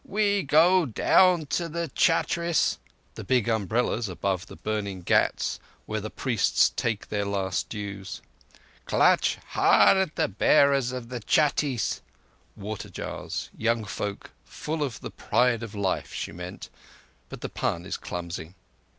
"We that go down to the chattris (the big umbrellas above the burning ghats where the priests take their last dues) clutch hard at the bearers of the chattis (water jars—young folk full of the pride of life, she meant; but the pun is clumsy).